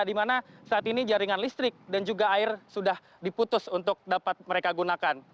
di mana saat ini jaringan listrik dan juga air sudah diputus untuk dapat mereka gunakan